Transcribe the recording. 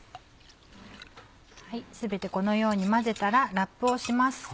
全てこのように混ぜたらラップをします。